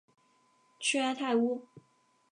屈埃泰乌。